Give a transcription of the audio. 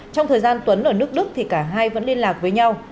trong thời gian tuấn ở nước đức thì cả hai vẫn liên lạc với nhau